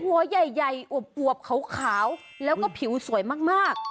หัวใหญ่อวบขาวแล้วก็ผิวสวยมาก